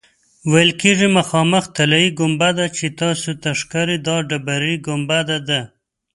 ویل یې مخامخ طلایي ګنبده چې تاسو ته ښکاري دا ډبرې ګنبده ده.